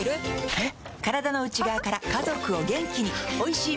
えっ？